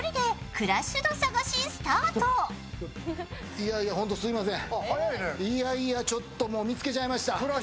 いやいや、ホントすみません